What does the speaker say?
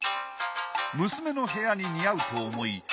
娘の部屋に似合うと思い